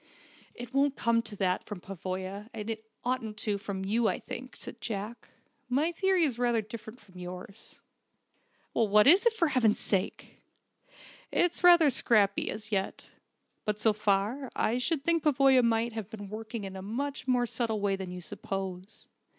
"It won't come to that, from Pavoya, and it oughtn't from you, I think," said Jack. "My theory is rather different from yours." "What is it, for heaven's sake?" "It's rather scrappy as yet. But so far, I should think Pavoya might have been working in a much more subtle way than you suppose.